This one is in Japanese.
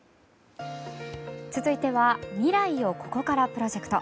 続いては未来をここからプロジェクト。